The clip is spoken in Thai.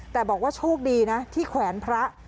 แต่บอกว่าโชคดีนะที่แขวนพระ